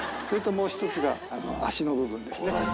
それともう１つが、足の部分ですね。